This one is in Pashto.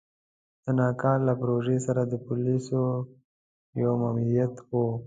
د کانال له پروژې سره د پوليسو يو ماموريت و.